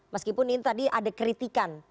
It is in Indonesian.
meskipun ini tadi ada kritikan